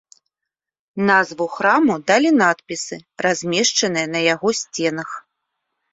Назву храму далі надпісы, размешчаныя на яго сценах.